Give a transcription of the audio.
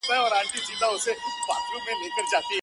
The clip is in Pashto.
پاتا د ترانو ده غلبلې دي چي راځي.!